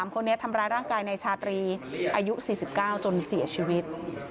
คนนี้ทำร้ายร่างกายนายชาตรีอายุ๔๙จนเสียชีวิต